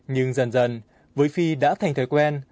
nhưng dần dần với phi đã thành thói quen